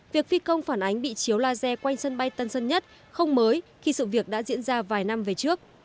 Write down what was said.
việc phi công phản ánh bị chiếu laser quanh sân bay tân sơn nhất không mới khi sự việc đã diễn ra vài năm về trước